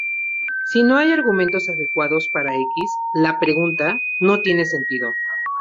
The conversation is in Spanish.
Si no hay argumentos adecuados para x, la "pregunta" no tiene sentido.